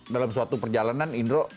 dalam suatu perjalanan indro